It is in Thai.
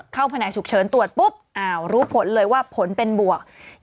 แผนกฉุกเฉินตรวจปุ๊บรู้ผลเลยว่าผลเป็นบวก